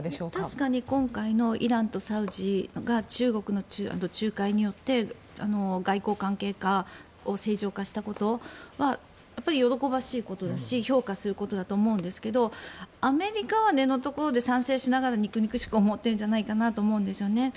確かに今回のイランとサウジが中国の仲介によって外交関係を正常化したことは喜ばしいことですし評価することだと思うんですけどアメリカは賛成しながら憎々しく思っているんじゃないかなと思うんですね。